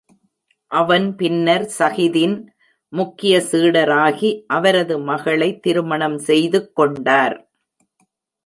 அவன் பின்னர் ஸஹிதின் முக்கிய சீடராகி அவரது மகளை திருமணம் செய்துக் கொண்டார்.